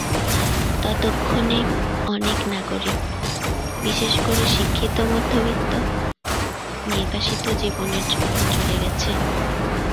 ততক্ষণে, অনেক নাগরিক, বিশেষ করে শিক্ষিত মধ্যবিত্ত, নির্বাসিত জীবনের জন্য চলে গেছে।